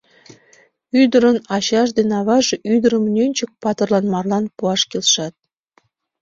Ӱдырын ачаж ден аваже ӱдырым Нӧнчык-патырлан марлан пуаш келшат..